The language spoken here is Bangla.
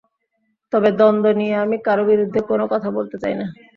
তবে দ্বন্দ্ব নিয়ে আমি কারও বিরুদ্ধে কোনো কথা বলতে চাই না।